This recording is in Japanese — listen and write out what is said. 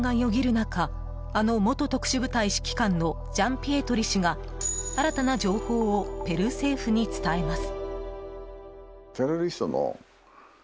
中あの元特殊部隊指揮官のジャンピエトリ氏が新たな情報をペルー政府に伝えます。